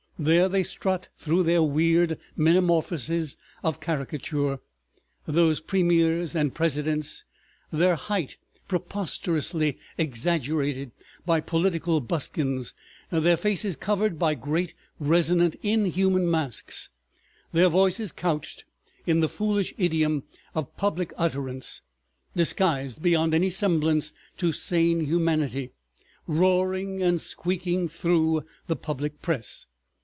There they strut through their weird metamorphoses of caricature, those premiers and presidents, their height preposterously exaggerated by political buskins, their faces covered by great resonant inhuman masks, their voices couched in the foolish idiom of public utterance, disguised beyond any semblance to sane humanity, roaring and squeaking through the public press.